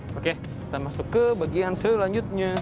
oke kita masuk ke bagian selanjutnya